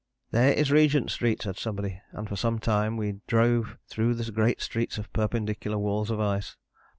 'There is Regent Street,' said somebody, and for some time we drove through great streets of perpendicular walls of ice.